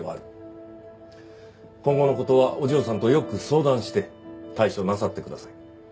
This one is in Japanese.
今後の事はお嬢さんとよく相談して対処なさってください。